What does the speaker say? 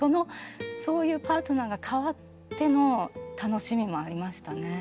そういうパートナーが代わっての楽しみもありましたね。